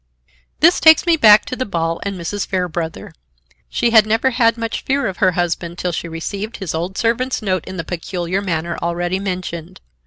This takes me back to the ball and Mrs. Fairbrother. She had never had much fear of her husband till she received his old servant's note in the peculiar manner already mentioned.